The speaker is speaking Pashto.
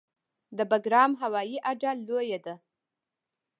د بګرام هوایي اډه لویه ده